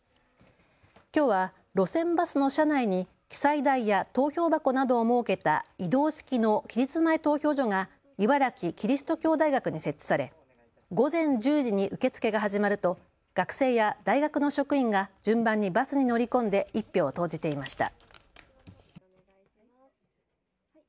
きょうは路線バスの車内に記載台や投票箱などを設けた移動式の期日前投票所が茨城キリスト教大学に設置され午前１０時に受け付けが始まると学生や大学の職員が順番にバスに乗り込んで１票を投じていました。